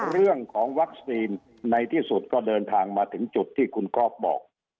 เรื่องของวัคซีนในที่สุดก็เดินทางมาถึงจุดที่คุณก๊อฟบอก